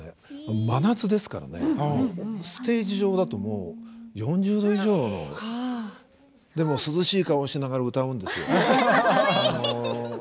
真夏ですからねステージ上だと４０度以上のでも涼しい顔をしながら歌うんですよ。